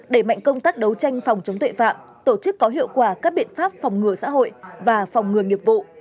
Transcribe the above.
đẩy mạnh công tác đấu tranh phòng chống tội phạm tổ chức có hiệu quả các biện pháp phòng ngừa xã hội và phòng ngừa nghiệp vụ